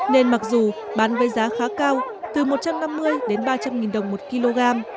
nên mặc dù bán với giá khá cao từ một trăm năm mươi đến ba trăm linh nghìn đồng một kg